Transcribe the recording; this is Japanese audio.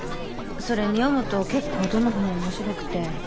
それに読むと結構どの本も面白くて。